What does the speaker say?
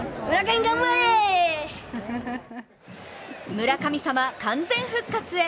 村神様、完全復活へ。